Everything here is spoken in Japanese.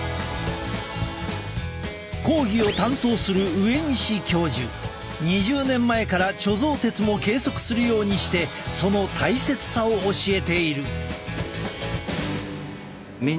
講義を担当する２０年前から貯蔵鉄も計測するようにしてその大切さを教えている。